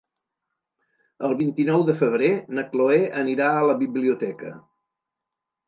El vint-i-nou de febrer na Chloé anirà a la biblioteca.